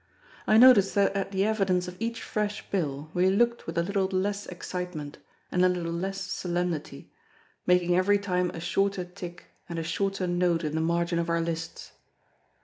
I noticed that at the evidence of each fresh bill we looked with a little less excitement, and a little less solemnity, making every time a shorter tick and a shorter note in the margin of our lists.